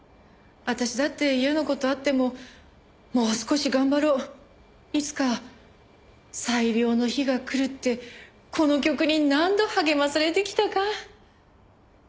私だって嫌な事あってももう少し頑張ろういつか最良の日が来るってこの曲に何度励まされてきたか。